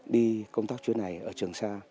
đi công tác chuyến này ở trường sa